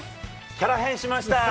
キャラ変しました。